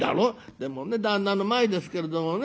「でもね旦那の前ですけれどもね